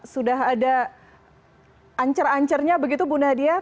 sudah ada ancar ancarnya begitu bunah dia